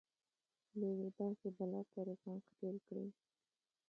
له يوې داسې بلا سره ځان ښکېل کړي.